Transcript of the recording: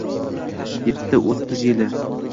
Yetdi o’z tili…